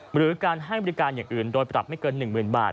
หรือการให้บริการอย่างอื่นโดยปรับไม่เกิน๑๐๐๐บาท